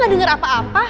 gue gak denger apa apa